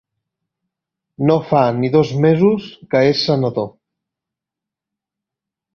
No fa ni dos mesos que és senador.